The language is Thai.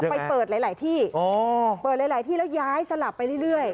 ไปเปิดหลายที่แล้วย้ายสลับไปเรื่อย